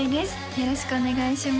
よろしくお願いします